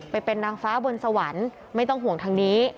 ไปเป็นนางฟ้าบนสวรรค์ไม่ต้องห่วงทางนี้